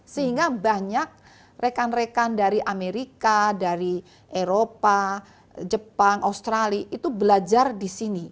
sehingga banyak rekan rekan dari amerika dari eropa jepang australia itu belajar di sini